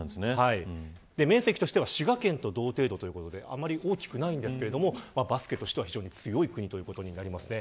面積としては滋賀県と同程度ということであまり大きくないんですがバスケとしては非常に強い国ということです。